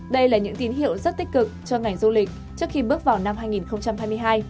đây là những tín hiệu rất tích cực cho ngành du lịch trước khi bước vào năm hai nghìn hai mươi hai